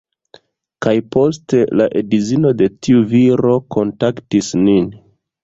Kaj poste la edzino de tiu viro kontaktis nin